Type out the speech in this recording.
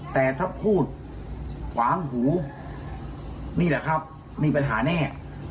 แต่ถ้าพูดขวางหูนี่แหละครับมีปัญหาแน่